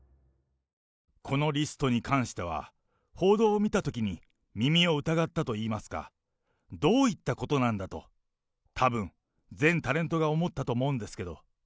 このリストに関しては、報道を見たときに耳を疑ったといいますか、どういったことなんだと、たぶん、全タレントが思ったと思うんですけど。